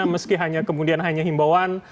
meski kemudian hanya himbauan